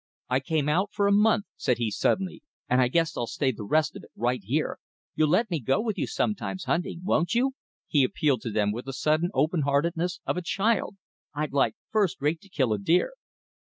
"I came out for a month," said he suddenly, "and I guess I'll stay the rest of it right here. You'll let me go with you sometimes hunting, won't you?" he appealed to them with the sudden open heartedness of a child. "I'd like first rate to kill a deer."